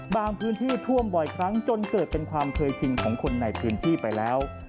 พื้นที่ท่วมบ่อยครั้งจนเกิดเป็นความเคยชินของคนในพื้นที่ไปแล้ว